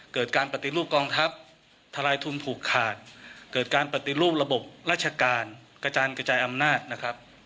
เกิดการปฏิรูปกองทัพทลายทุนผูกขาดเกิดการปฏิรูประบบราชการกระจานกระจายอำนาจนะครับ